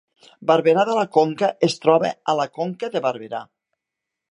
Barberà de la Conca es troba a la Conca de Barberà